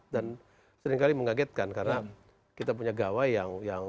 dan seringkali mengagetkan karena kita punya gawai yang